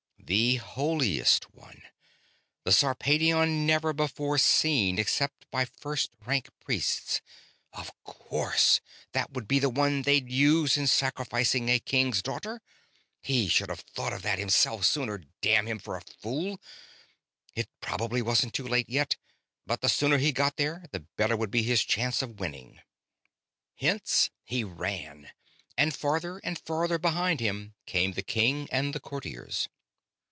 The Holiest One ... the Sarpedion never before seen except by first rank priests ... of course that would be the one they'd use in sacrificing a king's daughter. He should have thought of that himself, sooner, damn him for a fool! It probably wasn't too late yet, but the sooner he got there, the better would be his chance of winning. Hence he ran; and, farther and farther behind him, came the king and the courtiers.